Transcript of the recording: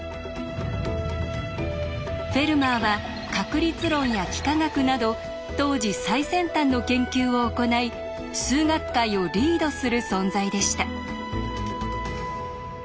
フェルマーは確率論や幾何学など当時最先端の研究を行い数学界をリードする存在でした。